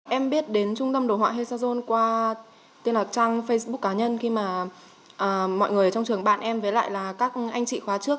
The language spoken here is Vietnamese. em biết đến trung tâm đồ họa hedgergen qua trang facebook cá nhân khi mà mọi người trong trường bạn em với lại là các anh chị khóa trước